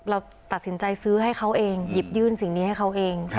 เราตัดสินใจซื้อให้เขาเองหยิบยื่นสิ่งนี้ให้เขาเอง